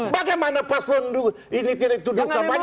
bagaimana paslon ini tidak duduk kampanye